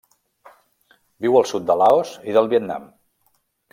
Viu al sud de Laos i del Vietnam.